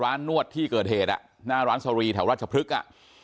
ร้านนวดที่เกิยเทรน่ะน้าร้านสำรีแถวราชพลึกอ่ะ